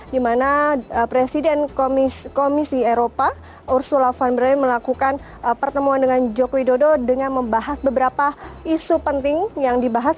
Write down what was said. di mana presiden komisi eropa ursula van brain melakukan pertemuan dengan joko widodo dengan membahas beberapa isu penting yang dibahas